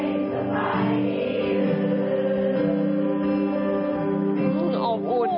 เธอแล้วเป็นยังไงจะไปอีก